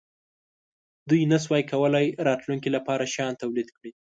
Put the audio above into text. دوی نشوای کولای راتلونکې لپاره شیان تولید کړي.